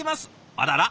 あらら？